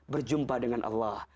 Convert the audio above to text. berjumpa dengan allah